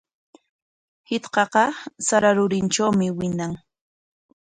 Shitqaqa sara rurintrawmi wiñan.